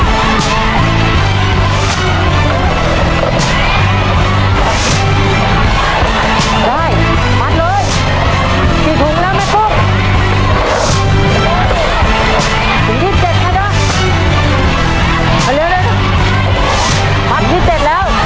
ถุงยี่สิบเจ็ดไหมนะเอาเร็วเร็วพัดยี่สิบเจ็ดแล้ว